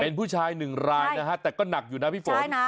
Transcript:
เป็นผู้ชายหนึ่งรายนะฮะแต่ก็หนักอยู่นะพี่ฝน